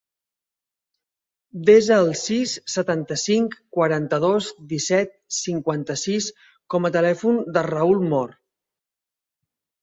Desa el sis, setanta-cinc, quaranta-dos, disset, cinquanta-sis com a telèfon del Raül Moore.